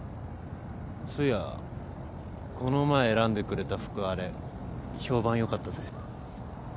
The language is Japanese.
そういやこの前選んでくれた服あれ評判良かったぜ。